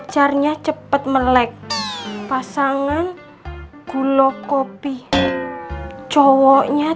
ternyata kamu biang geladinya